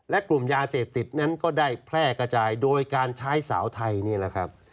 และกลุ่มยาเสพติดนั้นก็ได้แพร่กระจายโดยการใช้สาวไทยนี่แหละครับ